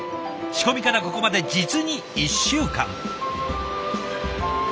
仕込みからここまで実に１週間。